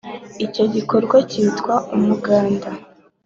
icyo gikorwa cyitwa umuganda: